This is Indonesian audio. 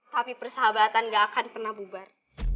tapi persahabatan gak akan pernah bubar